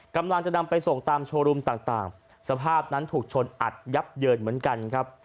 กำลังจะนำไปส่งตามโชว์รูมต่างสภาพนั้นถูกชนอัดยับเยินเหมือนกันครับ